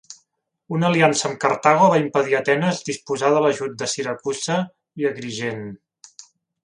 Una aliança amb Cartago va impedir a Atenes disposar de l'ajut de Siracusa i Agrigent.